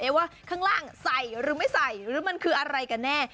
ว่าข้างล่างใส่หรือไม่ใส่หรือมันคืออะไรกันแน่